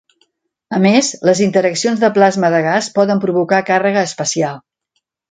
A més, les interaccions de plasma de gas poden provocar càrrega espacial.